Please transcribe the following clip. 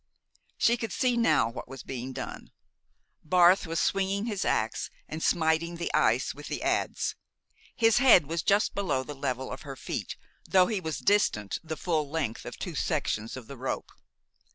She could see now what was being done. Barth was swinging his ax and smiting the ice with the adz. His head was just below the level of her feet, though he was distant the full length of two sections of the rope.